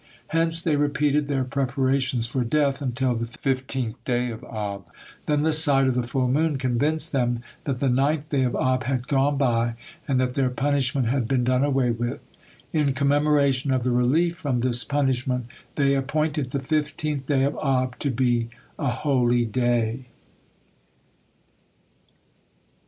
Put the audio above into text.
Hence they repeated their preparations for death until the fifteenth day of Ab. Then the sight of the full moon convinced them that the ninth day of Ab had gone by, and that their punishment had been done away with. In commemoration of the relief from this punishment, they appointed the fifteenth day of Ab to be a holy day.